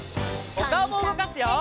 おかおもうごかすよ！